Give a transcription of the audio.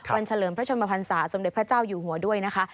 เฉลิมพระชนมพันศาสมเด็จพระเจ้าอยู่หัวด้วยนะคะ